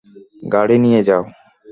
গাড়ি নিয়ে যাও!